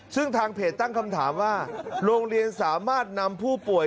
ซึ่งทางเพจตั้งคำถามว่าโรงเรียนสามารถนำผู้ป่วย